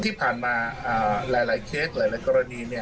ที่ผ่านมาหลายเคสหลายกรณีเนี่ย